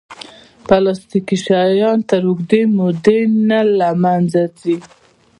پلاستيکي شیان تر اوږدې مودې نه له منځه ځي.